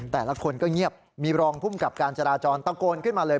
แต่ละคนก็เงียบมีรองภูมิกับการจราจรตะโกนขึ้นมาเลย